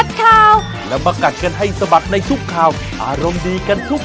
อย่าลืมกดติดตามกดแรกได้แรงและชอบ